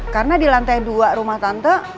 karena di lantai dua rumah tante